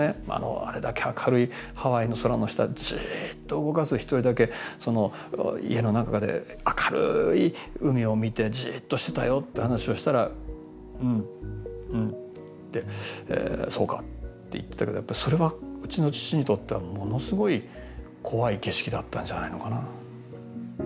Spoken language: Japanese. あれだけ明るいハワイの空の下でじっと動かず一人だけ家の中で明るい海を見てじっとしてたよって話をしたら「うんうん」って「そうか」って言ってたけどそれはうちの父にとってはものすごい怖い景色だったんじゃないのかな。